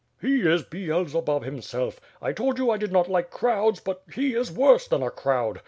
"He is Beelzebub himself. I told you I did not like crowds, but he is worse than a crowd.